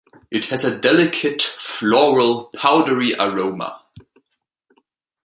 It has a delicate, floral, powdery aroma.